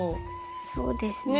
そうですね。